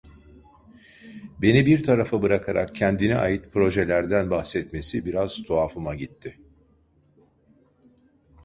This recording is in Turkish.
Beni bir tarafa bırakarak kendine ait projelerden bahsetmesi biraz tuhafıma gitti.